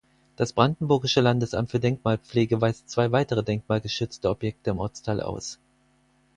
Das Brandenburgische Landesamt für Denkmalpflege weist zwei weitere denkmalgeschützte Objekte im Ortsteil aus.